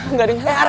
nggak ada yang lewat